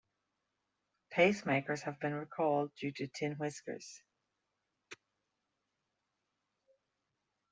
Pacemakers have been recalled due to tin whiskers.